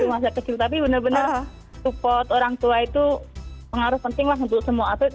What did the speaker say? di masa kecil tapi benar benar support orang tua itu pengaruh penting lah untuk semua atlet